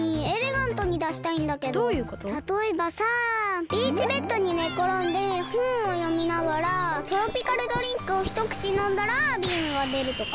たとえばさビーチベッドにねころんでほんをよみながらトロピカルドリンクをひとくちのんだらビームがでるとか。